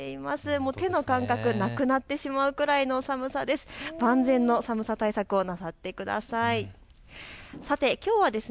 もう手の感覚がなくなってしまうぐらいの寒さです。